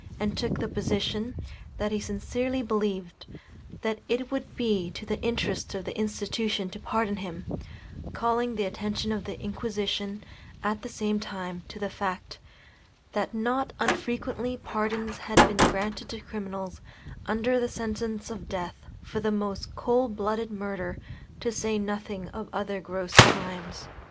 and took the position, that he sincerely believed, that it would be to the interest of the institution to pardon him; calling the attention of the Inquisition, at the same time, to the fact, that not unfrequently pardons had been granted to criminals, under sentence of death, for the most cold blooded murder, to say nothing of other gross crimes.